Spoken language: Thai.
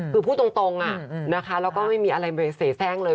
คือพูดตรงแล้วก็ไม่มีอะไรเสน่าแซ่งเลย